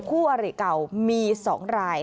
คู่อเรเก่ามีสองราย